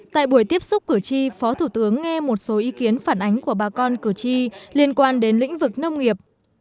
tại buổi tiếp xúc cử tri phó thủ tướng nghe một số ý kiến phản ánh của bà con cử tri liên quan đến lĩnh vực nông nghiệp